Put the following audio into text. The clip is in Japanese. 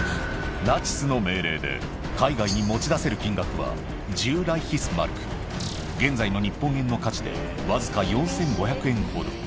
ナチスの命令で、海外に持ち出せる金額は１０ライヒスマルク、現在の日本円の価値で僅か４５００円ほど。